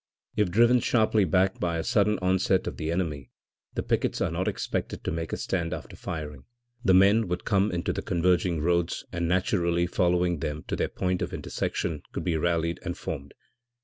If driven sharply back by a sudden onset of the enemy the pickets are not expected to make a stand after firing the men would come into the converging roads and naturally following them to their point of intersection could be rallied and 'formed.'